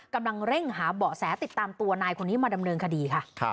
กำลังเร่งหาเบาะแสติดตามตัวนายคนนี้มาดำเนินคดีค่ะ